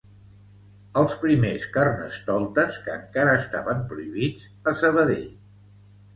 Els primers carnestoltes que encara estaven prohibits a Sabadell